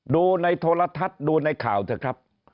ดูในโทรทัศน์ดูในข่าวเถอะครับ